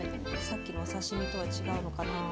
さっきのお刺身とは違うのかな？